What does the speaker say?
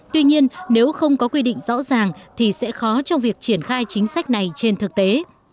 tuy nhiên nếu không có quy định rõ ràng thì sẽ khó trong việc triển khai chính sách này trên thực tế